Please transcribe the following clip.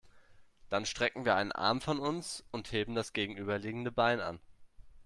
Dann strecken wir einen Arm von uns und heben das gegenüberliegende Bein an.